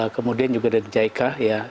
kemudian juga dari jica